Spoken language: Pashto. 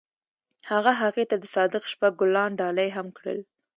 هغه هغې ته د صادق شپه ګلان ډالۍ هم کړل.